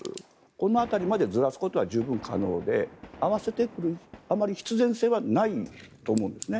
この辺りまでずらすことは十分可能で合わせてくる必然性はないと思うんです。